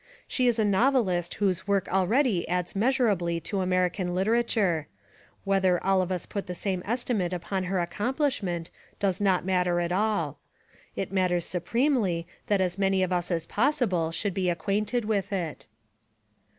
She is a novelist whose work already adds measurably to American literature; whether all of us put the same estimate upon her accomplishment does not matter at all; it matters supremely that as many of us as possible should be acquainted with it.